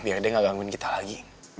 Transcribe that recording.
biar dia nggak gangguin kita lagi